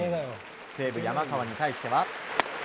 西武、山川に対しては。